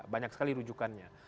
banyak sekali rujukannya